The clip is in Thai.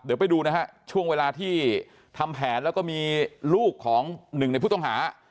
เดี๋ยวไปดูนะฮะช่วงเวลาที่ทำแผนแล้วก็มีลูกของหนึ่งในผู้ต้องหา